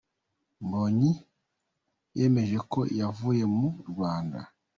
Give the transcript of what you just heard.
Mbonyi yemeje ko yavuye mu Rwanda.